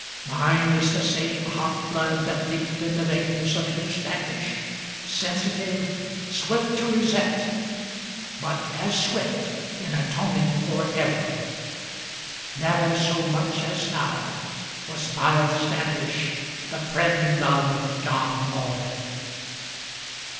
Mine is the same hot blood that leaped in the veins of Hugh Standish, Sensitive, swift to resent, but as swift in atoning for error. Never so much as now was Miles Standish the friend of John Alden."